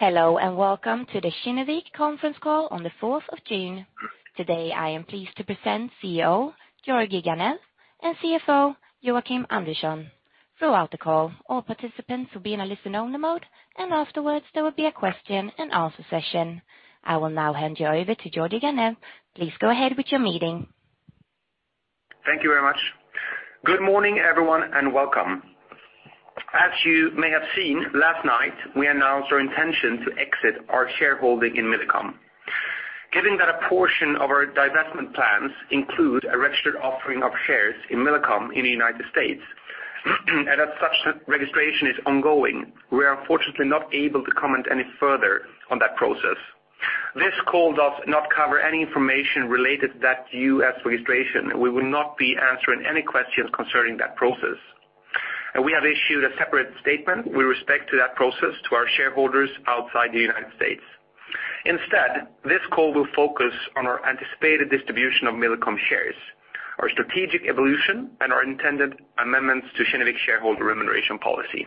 Hello, welcome to the Kinnevik conference call on the 4th of June. Today, I am pleased to present CEO, Georgi Ganev, and CFO, Joakim Andersson. Throughout the call, all participants will be in a listen-only mode, afterwards there will be a question and answer session. I will now hand you over to Georgi Ganev. Please go ahead with your meeting. Thank you very much. Good morning, everyone, welcome. As you may have seen, last night, we announced our intention to exit our shareholding in Millicom. Given that a portion of our divestment plans include a registered offering of shares in Millicom in the U.S., as such registration is ongoing, we are unfortunately not able to comment any further on that process. This call does not cover any information related to that U.S. registration. We will not be answering any questions concerning that process. We have issued a separate statement with respect to that process to our shareholders outside the U.S. Instead, this call will focus on our anticipated distribution of Millicom shares, our strategic evolution, and our intended amendments to Kinnevik shareholder remuneration policy.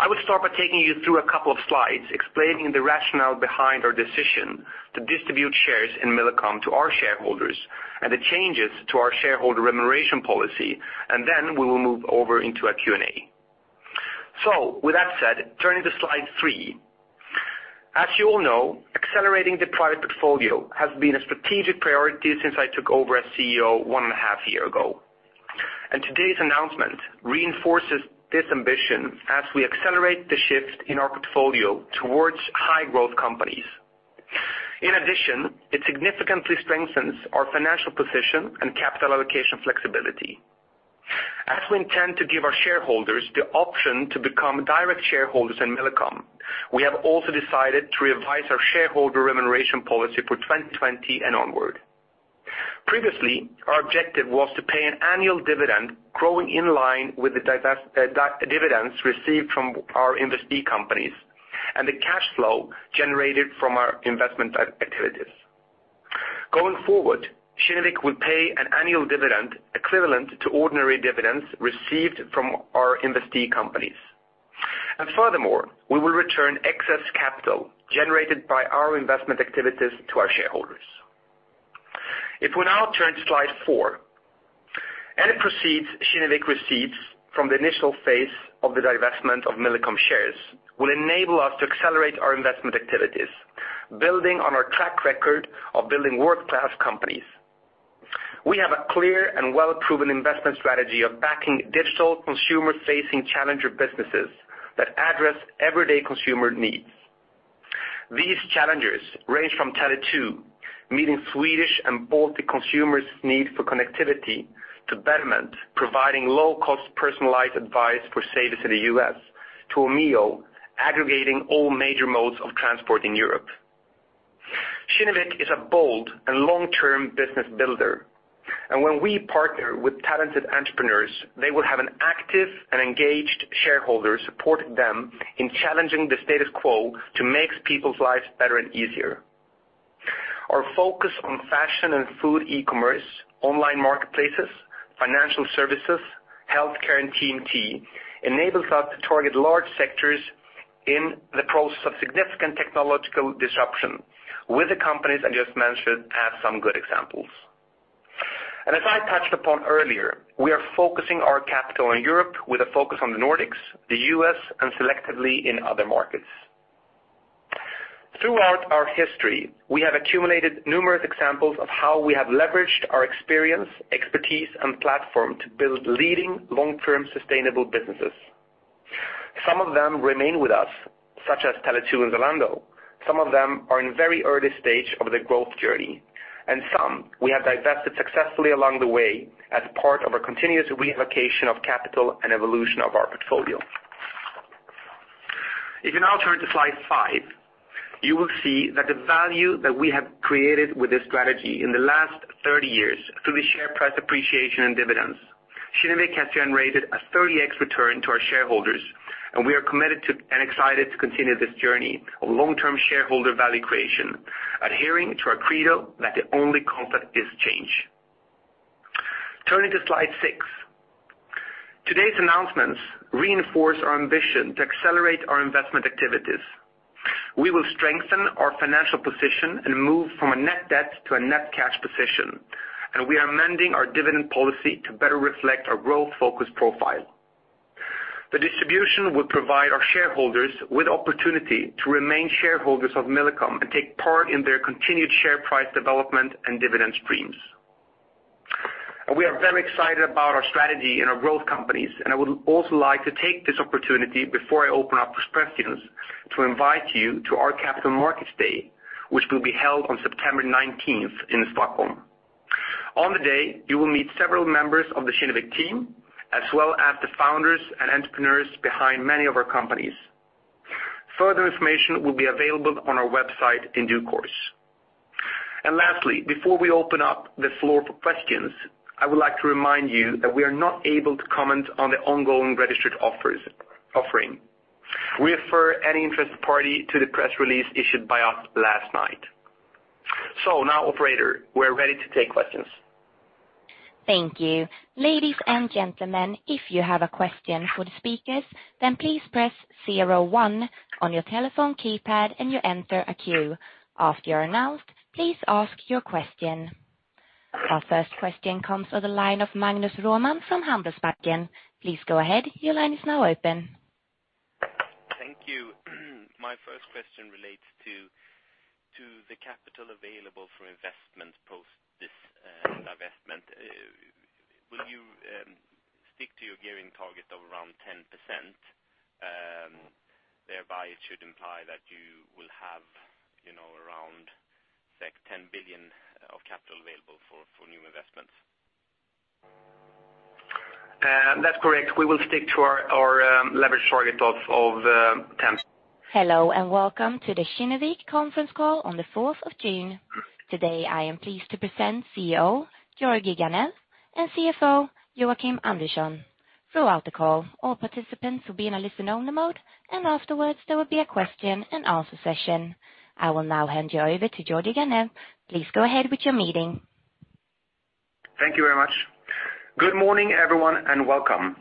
I would start by taking you through a couple of slides explaining the rationale behind our decision to distribute shares in Millicom to our shareholders, the changes to our shareholder remuneration policy, then we will move over into a Q&A. With that said, turning to slide three. As you all know, accelerating the product portfolio has been a strategic priority since I took over as CEO one and a half year ago. Today's announcement reinforces this ambition as we accelerate the shift in our portfolio towards high-growth companies. In addition, it significantly strengthens our financial position and capital allocation flexibility. As we intend to give our shareholders the option to become direct shareholders in Millicom, we have also decided to revise our shareholder remuneration policy for 2020 and onward. Previously, our objective was to pay an annual dividend growing in line with the dividends received from our investee companies and the cash flow generated from our investment activities. Going forward, Kinnevik will pay an annual dividend equivalent to ordinary dividends received from our investee companies. Furthermore, we will return excess capital generated by our investment activities to our shareholders. If we now turn to slide four. Any proceeds Kinnevik receives from the initial phase of the divestment of Millicom shares will enable us to accelerate our investment activities, building on our track record of building world-class companies. We have a clear and well-proven investment strategy of backing digital consumer-facing challenger businesses that address everyday consumer needs. These challengers range from Tele2, meeting Swedish and Baltic consumers' need for connectivity, to Betterment, providing low-cost personalized advice for savers in the U.S., to Omio, aggregating all major modes of transport in Europe. When we partner with talented entrepreneurs, they will have an active and engaged shareholder supporting them in challenging the status quo to make people's lives better and easier. Our focus on fashion and food e-commerce, online marketplaces, financial services, healthcare, and TMT enables us to target large sectors in the process of significant technological disruption, with the companies I just mentioned as some good examples. As I touched upon earlier, we are focusing our capital on Europe with a focus on the Nordics, the U.S., and selectively in other markets. Throughout our history, we have accumulated numerous examples of how we have leveraged our experience, expertise, and platform to build leading long-term sustainable businesses. Some of them remain with us, such as Tele2 and Zalando. Some of them are in very early stage of their growth journey. Some we have divested successfully along the way as part of our continuous reallocation of capital and evolution of our portfolio. If you now turn to slide five, you will see that the value that we have created with this strategy in the last 30 years through the share price appreciation and dividends, Kinnevik has generated a 30x return to our shareholders. We are committed to and excited to continue this journey of long-term shareholder value creation, adhering to our credo that the only constant is change. Turning to slide six. Today's announcements reinforce our ambition to accelerate our investment activities. We will strengthen our financial position and move from a net debt to a net cash position. We are amending our dividend policy to better reflect our growth-focused profile. The distribution will provide our shareholders with opportunity to remain shareholders of Millicom and take part in their continued share price development and dividend streams. We are very excited about our strategy in our growth companies. I would also like to take this opportunity before I open up for questions to invite you to our Capital Markets Day, which will be held on September 19th in Stockholm. On the day, you will meet several members of the Kinnevik team, as well as the founders and entrepreneurs behind many of our companies. Further information will be available on our website in due course. Lastly, before we open up the floor for questions, I would like to remind you that we are not able to comment on the ongoing registered offering. We refer any interested party to the press release issued by us last night. Now, operator, we're ready to take questions Thank you. Ladies and gentlemen, if you have a question for the speakers, then please press zero one on your telephone keypad and you enter a queue. After you are announced, please ask your question. Our first question comes on the line of Magnus Råman from Handelsbanken. Please go ahead. Your line is now open. Thank you. My first question relates to the capital available for investment post this divestment. Will you stick to your gearing target of around 10%? Thereby, it should imply that you will have around 10 billion of capital available for new investments. That's correct. We will stick to our leverage target of. Hello, welcome to the Kinnevik conference call on the 4th of June. Today, I am pleased to present CEO, Georgi Ganev, and CFO, Joakim Andersson. Throughout the call, all participants will be in a listen-only mode, and afterwards, there will be a question-and-answer session. I will now hand you over to Georgi Ganev. Please go ahead with your meeting. Thank you very much. Good morning, everyone, and welcome.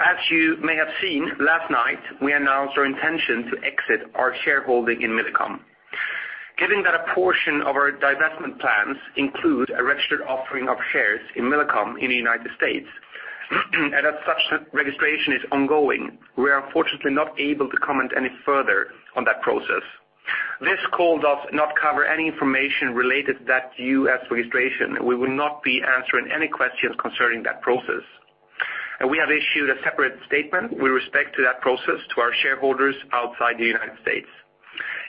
As you may have seen, last night, we announced our intention to exit our shareholding in Millicom. Given that a portion of our divestment plans include a registered offering of shares in Millicom in the U.S., and as such that registration is ongoing, we are unfortunately not able to comment any further on that process. This call does not cover any information related to that U.S. registration. We will not be answering any questions concerning that process. We have issued a separate statement with respect to that process to our shareholders outside the U.S.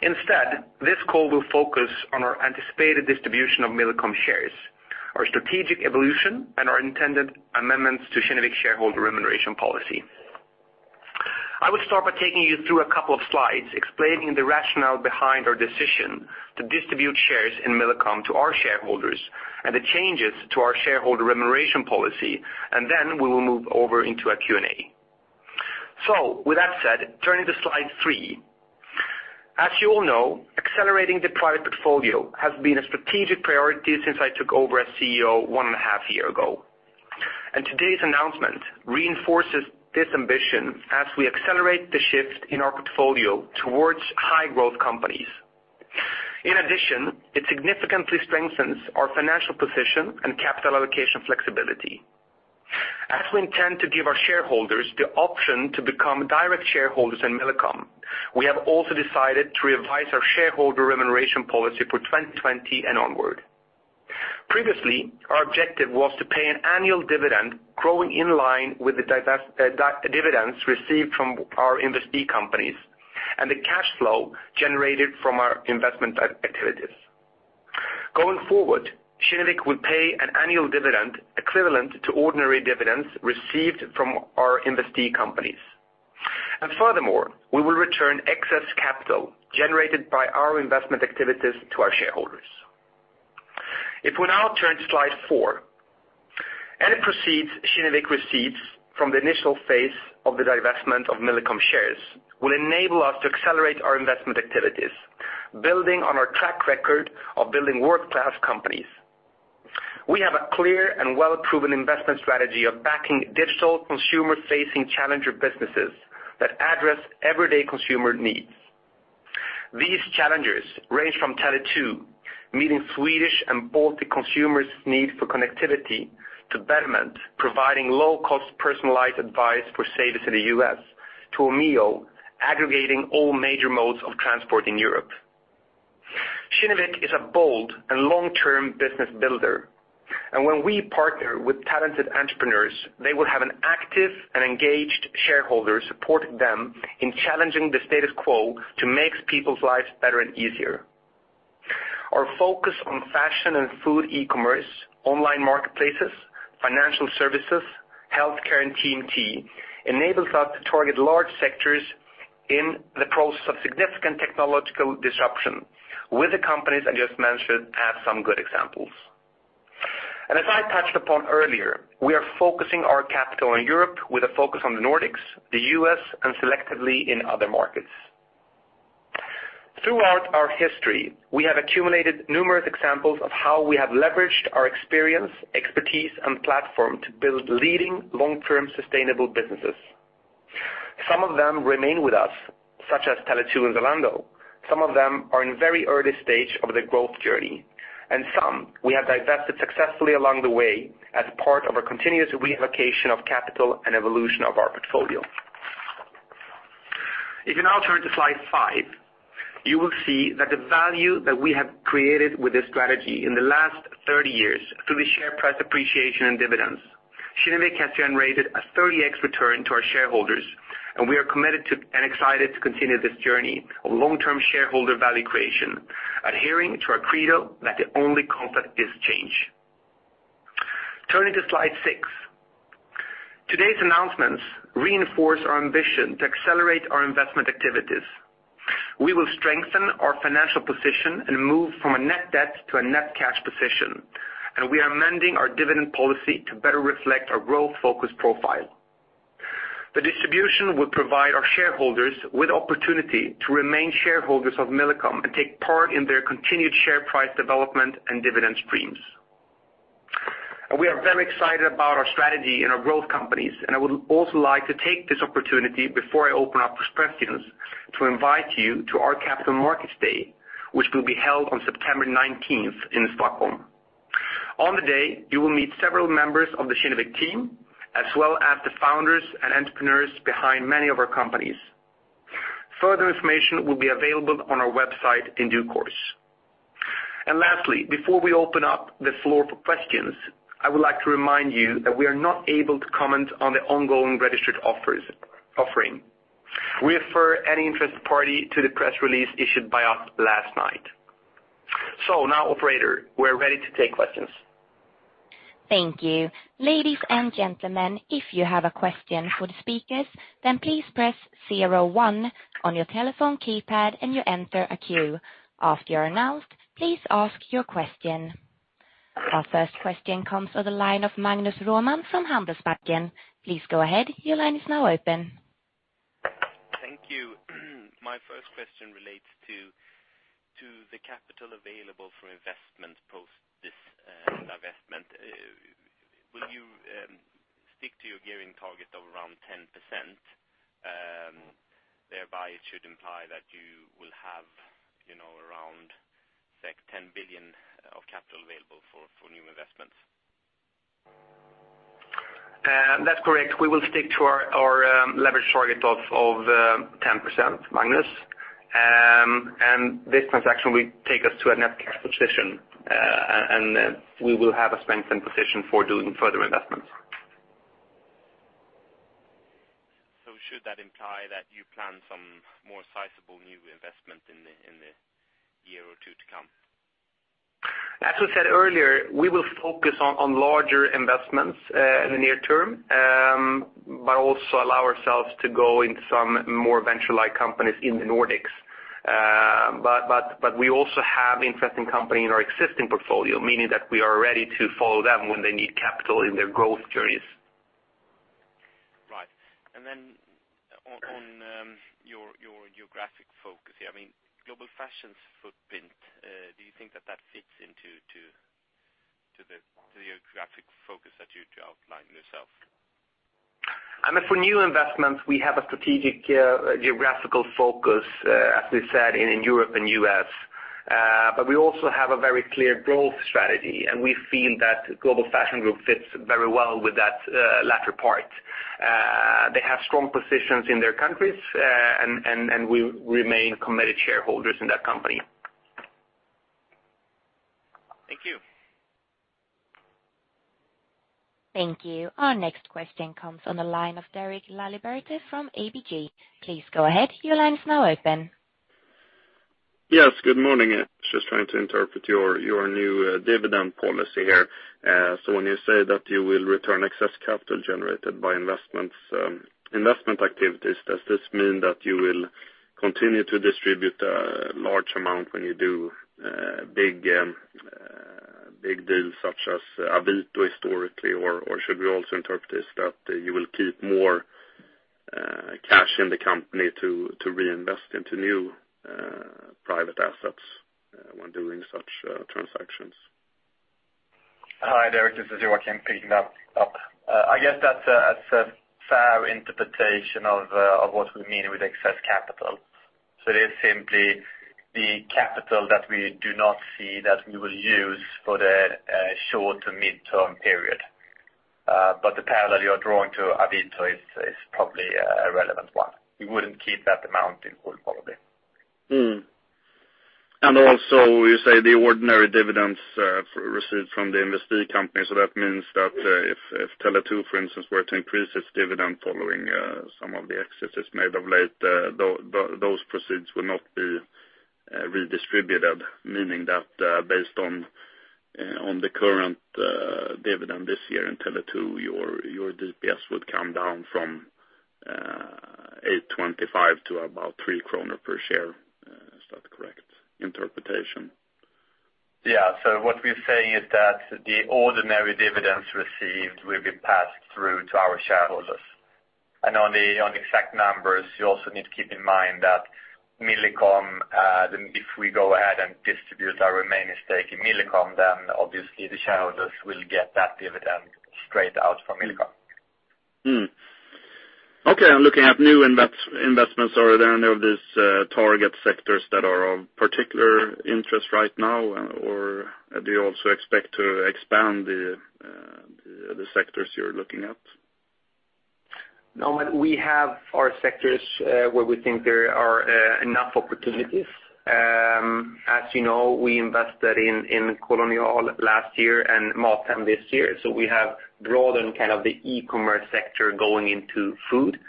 Instead, this call will focus on our anticipated distribution of Millicom shares, our strategic evolution, and our intended amendments to Kinnevik shareholder remuneration policy. I would start by taking you through a couple of slides explaining the rationale behind our decision to distribute shares in Millicom to our shareholders and the changes to our shareholder remuneration policy, and then we will move over into a Q&A. With that said, turning to slide three. As you all know, accelerating the product portfolio has been a strategic priority since I took over as CEO one and a half year ago. Today's announcement reinforces this ambition as we accelerate the shift in our portfolio towards high-growth companies. In addition, it significantly strengthens our financial position and capital allocation flexibility. As we intend to give our shareholders the option to become direct shareholders in Millicom, we have also decided to revise our shareholder remuneration policy for 2020 and onward. Previously, our objective was to pay an annual dividend growing in line with the dividends received from our investee companies and the cash flow generated from our investment activities. Going forward, Kinnevik will pay an annual dividend equivalent to ordinary dividends received from our investee companies. Furthermore, we will return excess capital generated by our investment activities to our shareholders. If we now turn to slide four. Any proceeds Kinnevik receives from the initial phase of the divestment of Millicom shares will enable us to accelerate our investment activities, building on our track record of building world-class companies. We have a clear and well-proven investment strategy of backing digital consumer-facing challenger businesses that address everyday consumer needs. These challengers range from Tele2, meeting Swedish and Baltic consumers' need for connectivity, to Betterment, providing low-cost personalized advice for savers in the U.S., to Omio, aggregating all major modes of transport in Europe. Kinnevik is a bold and long-term business builder, and when we partner with talented entrepreneurs, they will have an active and engaged shareholder supporting them in challenging the status quo to make people's lives better and easier. Our focus on fashion and food e-commerce, online marketplaces, financial services, healthcare, and TMT enables us to target large sectors in the process of significant technological disruption with the companies I just mentioned as some good examples. As I touched upon earlier, we are focusing our capital on Europe with a focus on the Nordics, the U.S., and selectively in other markets. Throughout our history, we have accumulated numerous examples of how we have leveraged our experience, expertise, and platform to build leading long-term sustainable businesses. Some of them remain with us, such as Tele2 and Zalando. Some of them are in very early stage of their growth journey, and some we have divested successfully along the way as part of our continuous reallocation of capital and evolution of our portfolio. If you now turn to slide five, you will see that the value that we have created with this strategy in the last 30 years through the share price appreciation and dividends, Kinnevik has generated a 30x return to our shareholders, and we are committed to and excited to continue this journey of long-term shareholder value creation, adhering to our credo that the only constant is change. Turning to slide six. Today's announcements reinforce our ambition to accelerate our investment activities. We will strengthen our financial position and move from a net debt to a net cash position. We are amending our dividend policy to better reflect our growth-focused profile. The distribution will provide our shareholders with opportunity to remain shareholders of Millicom and take part in their continued share price development and dividend streams. We are very excited about our strategy in our growth companies. I would also like to take this opportunity, before I open up for questions, to invite you to our Capital Markets Day, which will be held on September 19th in Stockholm. On the day, you will meet several members of the Kinnevik team, as well as the founders and entrepreneurs behind many of our companies. Further information will be available on our website in due course. Lastly, before we open up the floor for questions, I would like to remind you that we are not able to comment on the ongoing registered offering. We refer any interested party to the press release issued by us last night. Now, operator, we're ready to take questions. Thank you. Ladies and gentlemen, if you have a question for the speakers, please press 01 on your telephone keypad. You'll enter a queue. After you're announced, please ask your question. Our first question comes from the line of Magnus Råman from Handelsbanken. Please go ahead. Your line is now open. Thank you. My first question relates to the capital available for investment post this divestment. Will you stick to your gearing target of around 10%? It should imply that you will have around 10 billion of capital available for new investments. That's correct. We will stick to our leverage target of 10%, Magnus. This transaction will take us to a net cash position, and we will have a strengthened position for doing further investments. Should that imply that you plan some more sizable new investment in the year or two to come? As we said earlier, we will focus on larger investments, in the near term, but also allow ourselves to go into some more venture-like company in the Nordics. We also have interesting company in our existing portfolio, meaning that we are ready to follow them when they need capital in their growth journeys. Right. On your geographic focus here, Global Fashion's footprint, do you think that that fits into the geographic focus that you outlined yourself? For new investments, we have a strategic geographical focus, as we've said, in Europe and U.S. We also have a very clear growth strategy, and we feel that Global Fashion Group fits very well with that latter part. They have strong positions in their countries, and we remain committed shareholders in that company. Thank you. Thank you. Our next question comes on the line of Derek Laliberté from ABG. Please go ahead. Your line is now open. Yes, good morning. Just trying to interpret your new dividend policy here. When you say that you will return excess capital generated by investment activities, does this mean that you will continue to distribute a large amount when you do big deals such as Avito historically? Or should we also interpret this that you will keep more cash in the company to reinvest into new private assets when doing such transactions? Hi, Derek, this is Joakim picking up. I guess that's a fair interpretation of what we mean with excess capital. It is simply the capital that we do not see that we will use for the short to mid-term period. The parallel you are drawing to Avito is probably a relevant one. We wouldn't keep that amount in full, probably. Also, you say the ordinary dividends received from the investee company. That means that if Tele2, for instance, were to increase its dividend following some of the excesses made of late, those proceeds will not be redistributed. Meaning that based on the current dividend this year in Tele2, your DPS would come down from 825 to about 3 kronor per share. Is that a correct interpretation? Yeah. What we're saying is that the ordinary dividends received will be passed through to our shareholders. On the exact numbers, you also need to keep in mind that Millicom, if we go ahead and distribute our remaining stake in Millicom, then obviously the shareholders will get that dividend straight out from Millicom. Okay. Looking at new investments, are there any of these target sectors that are of particular interest right now? Or do you also expect to expand the sectors you're looking at? We have our sectors where we think there are enough opportunities. As you know, we invested in Kolonial.no last year and Mathem this year. We have broadened the e-commerce sector going into food,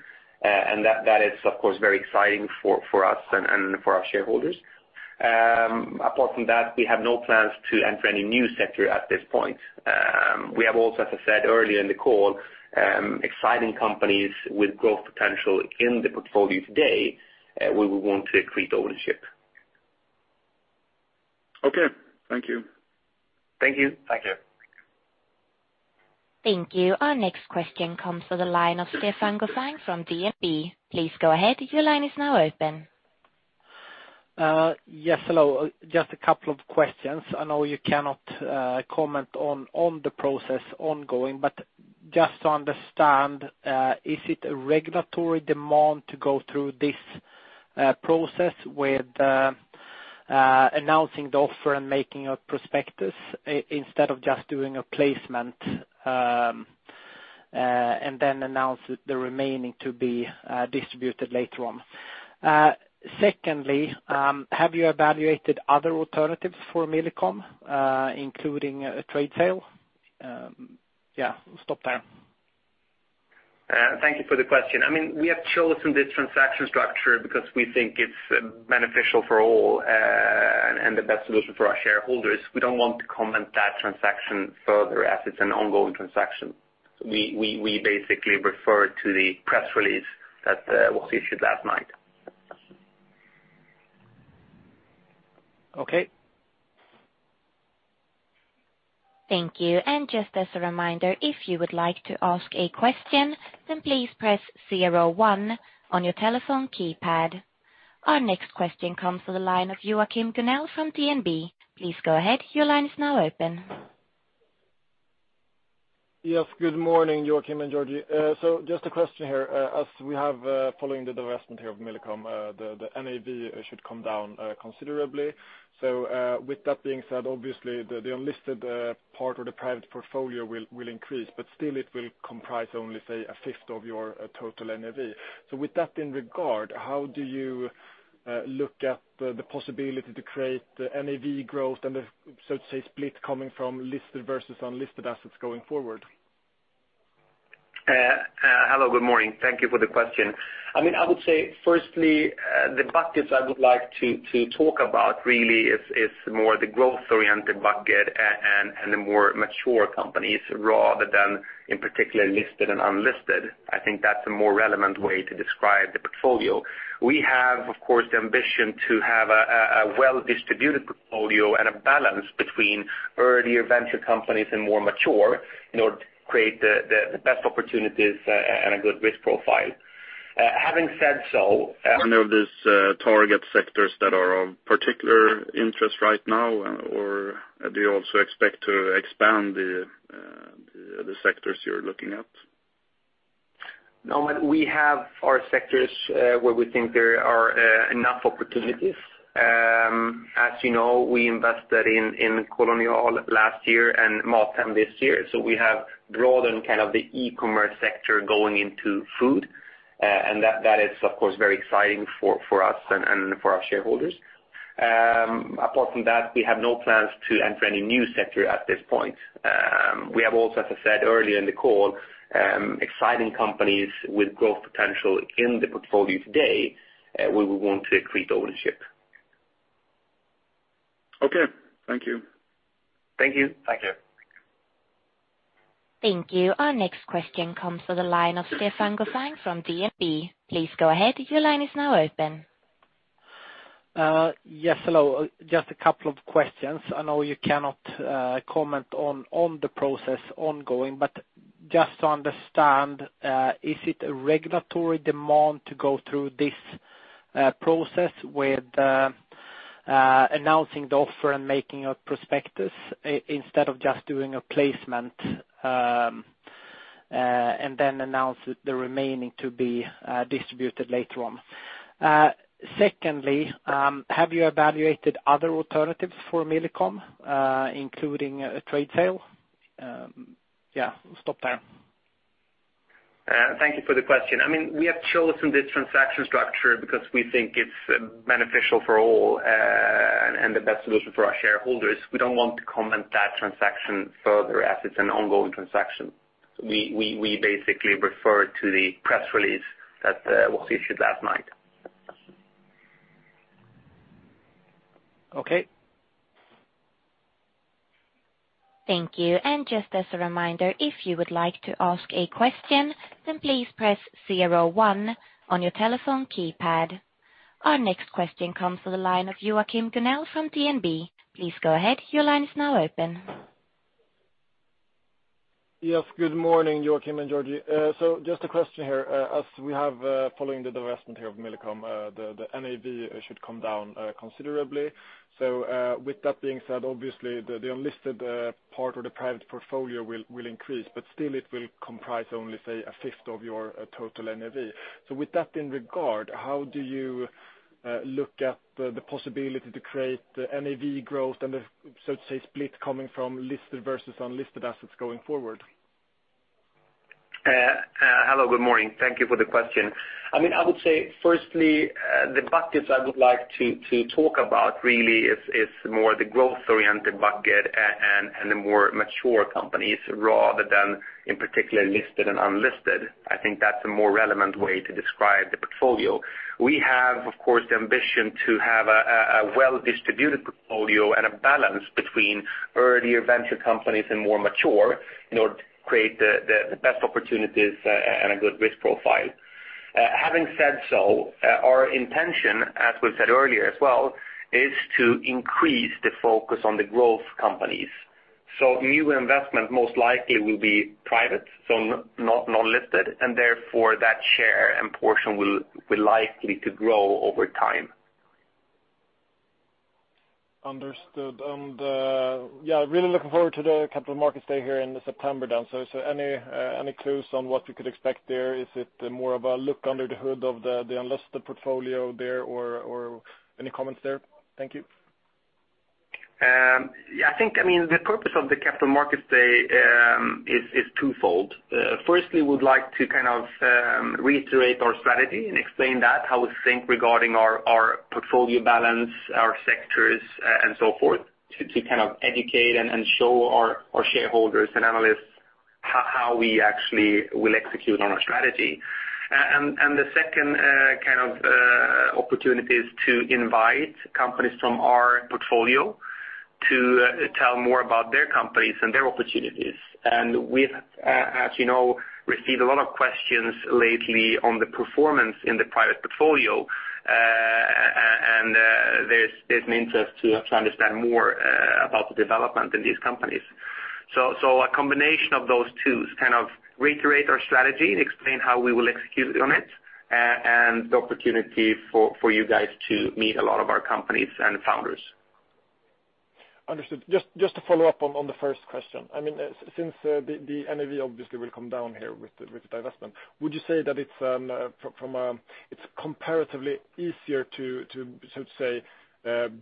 and that is, of course, very exciting for us and for our shareholders. Apart from that, we have no plans to enter any new sector at this point. We have also, as I said earlier in the call, exciting companies with growth potential in the portfolio today, where we want to increase ownership. Okay. Thank you. Thank you. Thank you. Thank you. Our next question comes to the line of Stefan Gauffin from DNB. Please go ahead. Your line is now open. Yes. Hello. Just a couple of questions. I know you cannot comment on the process ongoing, but just to understand, is it a regulatory demand to go through this process with announcing the offer and making a prospectus, instead of just doing a placement, and then announce the remaining to be distributed later on? Secondly, have you evaluated other alternatives for Millicom, including a trade sale? Yeah. Stop there. Thank you for the question. We have chosen this transaction structure because we think it's beneficial for all, and the best solution for our shareholders. We don't want to comment that transaction further as it's an ongoing transaction. We basically refer to the press release that was issued last night. Okay. Thank you. Just as a reminder, if you would like to ask a question, then please press zero one on your telephone keypad. Our next question comes to the line of Joakim Gunell from DNB. Please go ahead. Your line is now open. Yes. Good morning, Joakim and Georgi. Just a question here. As we have, following the divestment here of Millicom, the NAV should come down considerably. With that being said, obviously the unlisted part of the private portfolio will increase, but still it will comprise only, say, a fifth of your total NAV. With that in regard, how do you look at the possibility to create the NAV growth and the, so to say, split coming from listed versus unlisted assets going forward? Hello, good morning. Thank you for the question. I would say firstly, the buckets I would like to talk about really is more the growth-oriented bucket and the more mature companies, rather than in particular listed and unlisted. I think that's a more relevant way to describe the portfolio. We have, of course, the ambition to have a well-distributed portfolio and a balance between earlier venture companies and more mature in order to create the best opportunities and a good risk profile. Having said so. Are there target sectors that are of particular interest right now, or do you also expect to expand the sectors you're looking at? No. We have our sectors where we think there are enough opportunities. As you know, we invested in Kolonial.no last year and Maltem this year. We have broadened the e-commerce sector going into food, and that is, of course, very exciting for us and for our shareholders. Apart from that, we have no plans to enter any new sector at this point. We have also, as I said earlier in the call, exciting companies with growth potential in the portfolio today, where we want to increase ownership. Okay. Thank you. Thank you. Thank you. Our next question comes to the line of Stefan Gauffin from DNB. Please go ahead. Your line is now open. Yes. Hello. Just a couple of questions. I know you cannot comment on the process ongoing, but just to understand, is it a regulatory demand to go through this process with announcing the offer and making a prospectus, instead of just doing a placement, then announce the remaining to be distributed later on? Secondly, have you evaluated other alternatives for Millicom, including a trade sale? Yeah, stop there. Thank you for the question. We have chosen this transaction structure because we think it's beneficial for all, and the best solution for our shareholders. We don't want to comment that transaction further as it's an ongoing transaction. We basically refer to the press release that was issued last night. Okay. Thank you. Just as a reminder, if you would like to ask a question, please press 01 on your telephone keypad. Our next question comes to the line of Joakim Gunell from DNB. Please go ahead. Your line is now open. Yes. Good morning, Joakim and Georgi. Just a question here. As we have, following the divestment here of Millicom, the NAV should come down considerably. With that being said, obviously the unlisted part of the private portfolio will increase, but still it will comprise only, say, a fifth of your total NAV. With that in regard, how do you look at the possibility to create the NAV growth and the, so to say, split coming from listed versus unlisted assets going forward? Hello, good morning. Thank you for the question. I would say firstly, the buckets I would like to talk about really is more the growth-oriented bucket and the more mature companies, rather than in particular listed and unlisted. I think that's a more relevant way to describe the portfolio. We have, of course, the ambition to have a well-distributed portfolio and a balance between earlier venture companies and more mature in order to create the best opportunities and a good risk profile. Having said so, our intention, as we've said earlier as well, is to increase the focus on the growth companies. New investment most likely will be private, so non-listed, and therefore that share and portion will likely to grow over time. Understood. Yeah, really looking forward to the Capital Markets Day here in September then. Any clues on what we could expect there? Is it more of a look under the hood of the unlisted portfolio there, or any comments there? Thank you. I think the purpose of the Capital Markets Day is twofold. Firstly, we'd like to reiterate our strategy and explain that, how we think regarding our portfolio balance, our sectors, and so forth, to educate and show our shareholders and analysts how we actually will execute on our strategy. The second opportunity is to invite companies from our portfolio to tell more about their companies and their opportunities. We've, as you know, received a lot of questions lately on the performance in the private portfolio, and there's an interest to understand more about the development in these companies. A combination of those two, is reiterate our strategy and explain how we will execute on it, and the opportunity for you guys to meet a lot of our companies and founders. Understood. Just to follow up on the first question. Since the NAV obviously will come down here with the divestment, would you say that it's comparatively easier to, should say,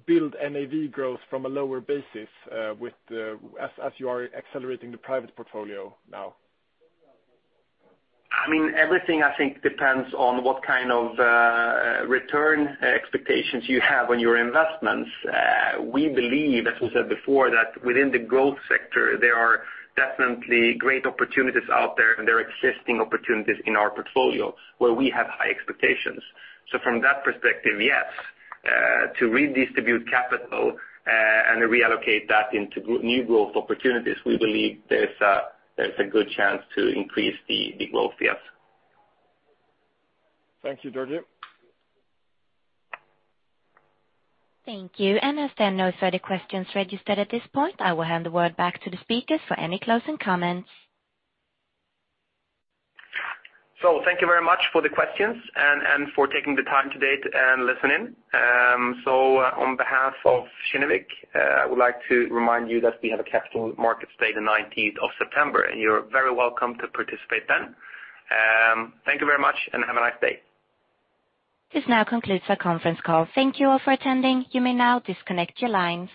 build NAV growth from a lower basis as you are accelerating the private portfolio now? Everything, I think, depends on what kind of return expectations you have on your investments. We believe, as we said before, that within the growth sector, there are definitely great opportunities out there, and there are existing opportunities in our portfolio where we have high expectations. From that perspective, yes. To redistribute capital, and reallocate that into new growth opportunities, we believe there's a good chance to increase the growth, yes. Thank you, Georgi. Thank you. As there are no further questions registered at this point, I will hand the word back to the speakers for any closing comments. Thank you very much for the questions, and for taking the time today and listening. On behalf of Kinnevik, I would like to remind you that we have a Capital Markets Day the 19th of September. You're very welcome to participate then. Thank you very much, and have a nice day. This now concludes our conference call. Thank you all for attending. You may now disconnect your lines.